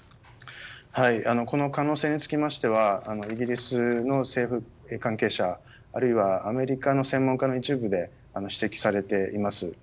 この可能性につきましてはイギリスの政府関係者あるいはアメリカの専門家の一部で指摘されています。